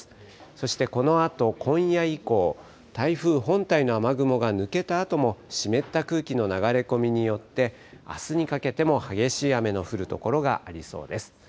そして、このあと今夜以降、台風本体の雨雲が抜けたあとも湿った空気の流れ込みによって、あすにかけても激しい雨の降る所がありそうです。